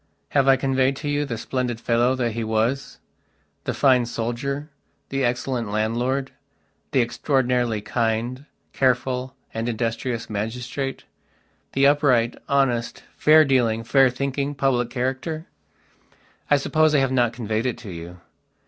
Have I conveyed to you the splendid fellow that he wasthe fine soldier, the excellent landlord, the extraordinarily kind, careful and industrious magistrate, the upright, honest, fair dealing, fair thinking, public character? I suppose I have not conveyed it to you.